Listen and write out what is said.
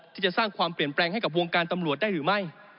ที่จะสร้างความเปลี่ยนแปลงให้กับวงการตำรวจได้หรือไม่